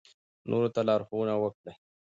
نورو ته لارښوونه وکړئ.